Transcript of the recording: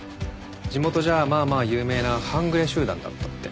地元じゃまあまあ有名な半グレ集団だったって。